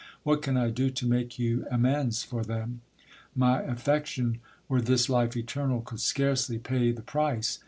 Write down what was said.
What can I do to make you amends for them ? My affection, were this life eternal, could scarcely pay the pri ;e.